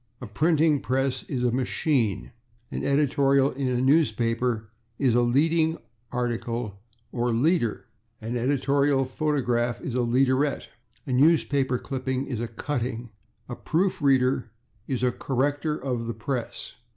A printing press is a /machine/. An editorial in a newspaper is a /leading article/ or /leader/. An editorial paragraph is a /leaderette/. A newspaper clipping is a /cutting/. A proof reader is a /corrector of the press